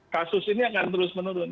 kasus ini akan terus menurun